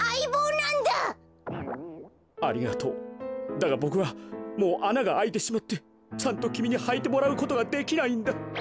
だがボクはもうあながあいてしまってちゃんときみにはいてもらうことができないんだ。